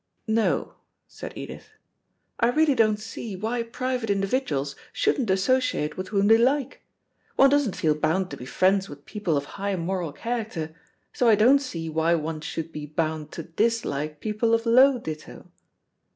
"No," said Edith; "I really don't see why private individuals shouldn't associate with whom they like. One doesn't feel bound to be friends with people of high moral character, so I don't see why one should be bound to dislike people of low ditto."